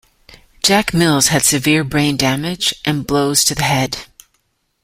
Jack Mills had severe brain damage and blows to the head.